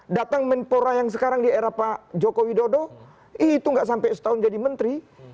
datang menpora yang sekarang di era pak joko widodo itu nggak sampai setahun jadi menteri